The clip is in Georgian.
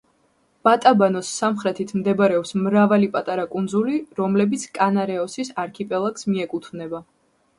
ბატაბანოს სამხრეთით მდებარეობს მრავალი პატარა კუნძული, რომლებიც კანარეოსის არქიპელაგს მიეკუთვნება.